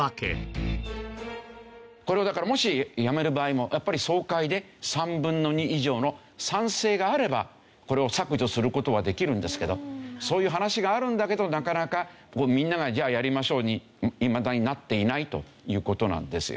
これをだからもしやめる場合も総会で３分の２以上の賛成があればこれを削除する事はできるんですけどそういう話があるんだけどなかなかみんながじゃあやりましょうにいまだになっていないという事なんですよね。